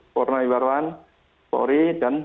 koronawirawan polri dan